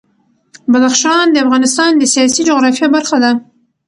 بدخشان د افغانستان د سیاسي جغرافیه برخه ده.